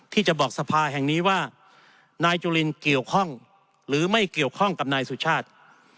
ที่จะบอกสภาแห่งนี้ว่านายจุลินเกี่ยวข้องหรือไม่เกี่ยวข้องกับนายสุชาติ